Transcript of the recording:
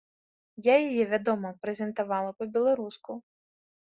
Я яе, вядома, прэзентавала па-беларуску.